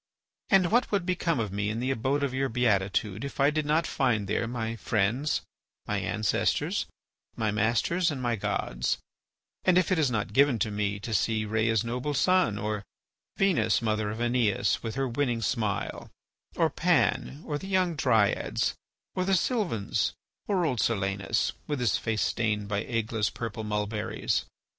And what would become of me in the abode of your beatitude if I did not find there my friends, my ancestors, my masters, and my gods, and if it is not given to me to see Rhea's noble son, or Venus, mother of Æneas, with her winning smile, or Pan, or the young Dryads, or the Sylvans, or old Silenus, with his face stained by Ægle's purple mulberries.